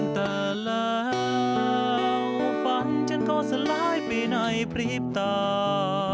แต่แล้วฝันฉันก็สลายไปในปรีบตา